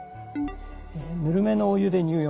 ぬるめのお湯で入浴する。